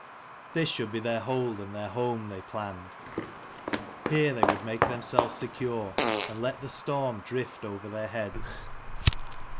This should be their hold and their home, they planned. Here they would make them selves secure, and let the storm drift over their heads.